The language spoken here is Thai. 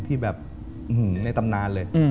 ที่แบบในตำนานเลย